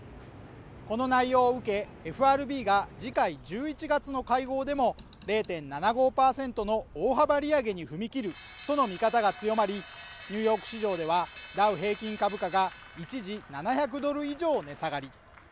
この内容を受け、ＦＲＢが次回１１月の会合でも０．７５％の大幅利上げに踏み切るとの見方が強まりニューヨーク市場では、ダウ平均株価が一時７００ドル以上値下がり。